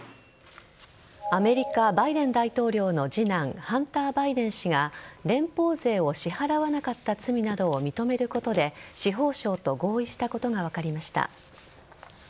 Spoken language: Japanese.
アメリカバイデン大統領の次男ハンター・バイデン氏が連邦税を支払わなかった罪などを認めることで司法省と合意したことが分かりました。